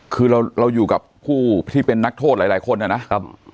คือเราเราอยู่กับผู้ที่เป็นนักโทษหลายหลายคนน่ะนะครับครับ